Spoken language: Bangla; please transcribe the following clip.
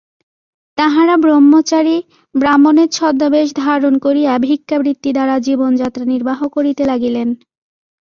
তাঁহারা ব্রহ্মচারী ব্রাহ্মণের ছদ্মবেশ ধারণ করিয়া ভিক্ষাবৃত্তি দ্বারা জীবনযাত্রা নির্বাহ করিতে লাগিলেন।